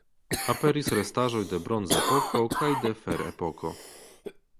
Aperis restaĵoj de Bronzepoko kaj de Ferepoko.